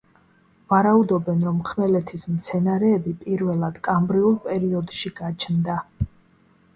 ვარაუდობენ, რომ ხმელეთის მცენარეები პირველად კამბრიულ პერიოდში გაჩნდა.